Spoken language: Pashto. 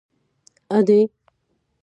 _ادې!!!